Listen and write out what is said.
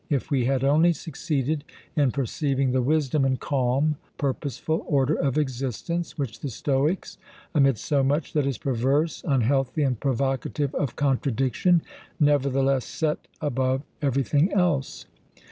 If we had only succeeded in perceiving the wisdom and calm, purposeful order of existence which the Stoics, amid so much that is perverse, unhealthy, and provocative of contradiction, nevertheless set above everything else!